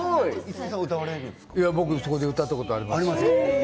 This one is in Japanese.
僕、そこで歌ったことありますよ。